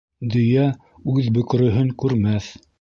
Дөйә үҙ бөкрөһөн күрмәҫ.